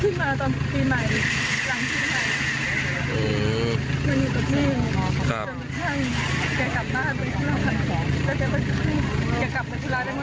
ได้ที่มาตอนปีใหม่หลังปีใหม่